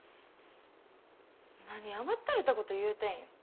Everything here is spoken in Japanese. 何甘ったれたこと言うてんや。